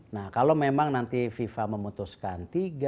nah kalau memang nanti viva memutuskan tiga empat